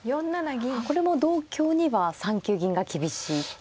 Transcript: これも同香には３九銀が厳しいと。